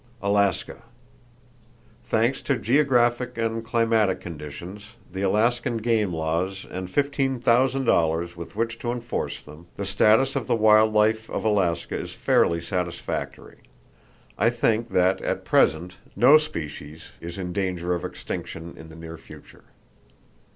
Alaska: Thanks to geographic and climatic conditions, the Alaskan game laws and $15,000 with which to enforce them, the status of the wild life of Alaska is fairly satisfactory. I think that at present no species is in danger of extinction in the near future.